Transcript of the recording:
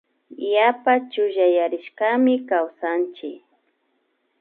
Yapa chullayarishkami kawsanchik